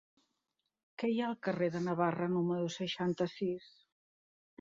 Què hi ha al carrer de Navarra número seixanta-sis?